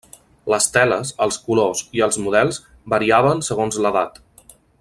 Les teles, els colors i els models variaven segons l'edat.